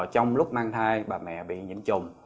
trong lúc mang thai bà mẹ bị nhiễm trùng